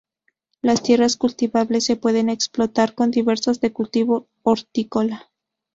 Las tierras cultivables se pueden explotar con diversidad de cultivo hortícola.